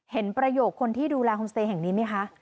ประโยคคนที่ดูแลโฮมสเตย์แห่งนี้ไหมคะ